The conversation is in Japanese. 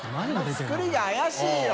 作りが怪しいよ。